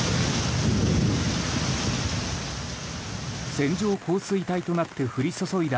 線状降水帯となって降り注いだ